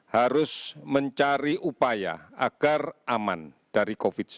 harus mencari upaya agar aman dari covid sembilan belas